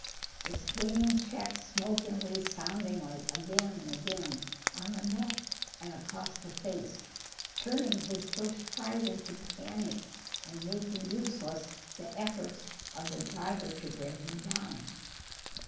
The swinging check smote him resoundingly again and again, on the neck and across the face, turning his first fright into panic, and making useless the efforts of the driver to bring him down.